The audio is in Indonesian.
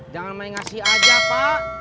jangan main ngasih aja pak